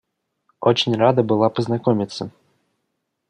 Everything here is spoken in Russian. Очень рада была познакомиться.